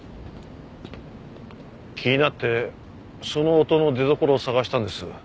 気になってその音の出どころを探したんです。